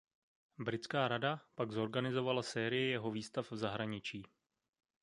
Britská rada pak zorganizovala sérii jeho výstav v zahraničí.